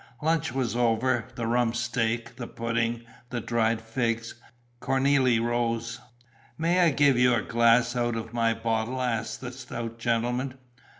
Lunch was over: the rump steak, the pudding, the dried figs. Cornélie rose: "May I give you a glass out of my bottle?" asked the stout gentleman.